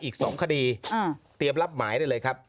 อีก๒คดีเตรียมรับหมายได้เลยครับ